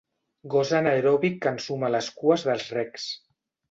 Gos anaeròbic que ensuma les cues dels regs.